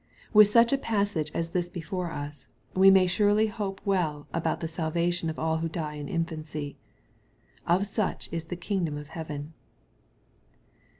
With such a passage as this before us, we may surely hope well about the salvation of all who die in infancy. ^' Of such is the kingdom of heaven."